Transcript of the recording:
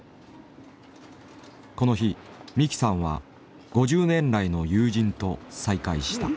この日三木さんは５０年来の友人と再会した。